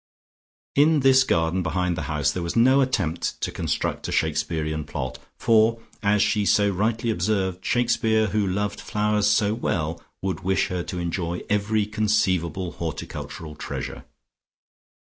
In this garden behind the house there was no attempt to construct a Shakespearian plot, for, as she so rightly observed, Shakespeare, who loved flowers so well, would wish her to enjoy every conceivable horticultural treasure.